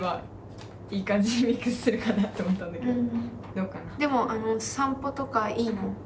どうかな？